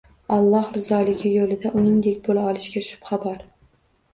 Alloh roziligi yo'lida uningdek bo'la olishiga shubha bormi?